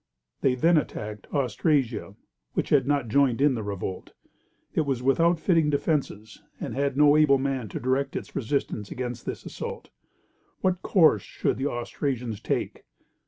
They then attacked Austrasia, which had not joined in the revolt. It was without fitting defences, and had no able man to direct its resistance against this assault. What course should the Austrasians take?